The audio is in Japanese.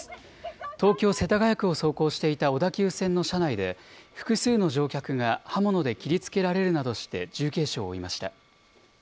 東京・世田谷区を走行していた小田急線の車内で、複数の乗客が刃物で切りつけられるなどして重軽傷を負いました。